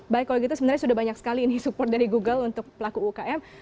baik kalau gitu sebenarnya sudah banyak sekali ini support dari google untuk pelaku ukm